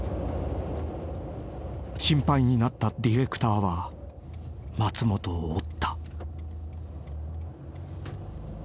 ［心配になったディレクターは松本を追った］